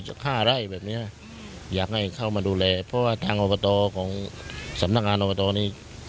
ห้าไร่แบบเนี้ยอยากให้เข้ามาดูแลเพราะว่าทางอบตของสำนักงานอบตนี้